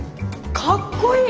かっこいい！